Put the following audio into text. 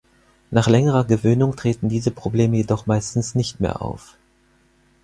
Nach längerer Gewöhnung treten diese Probleme jedoch meistens nicht mehr auf.